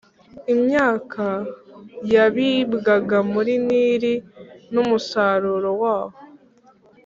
Imyaka yabibwaga kuri Nili n’umusaruro w’aho,